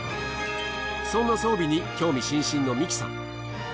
そんな装備に興味津々の美樹さん。